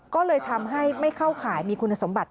ก็เลยทำให้ไม่เข้าข่ายมีคุณสมบัติ